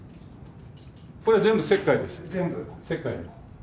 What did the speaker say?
これ全部石灰です。